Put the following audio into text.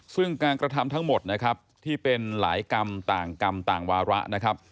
ซึ่งการกระทำทั้งหมดที่เป็นหลายกรรมต่างกรรมต่างวระ